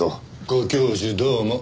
ご教授どうも！